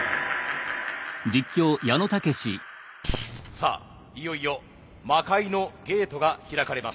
さあいよいよ魔改のゲートが開かれます。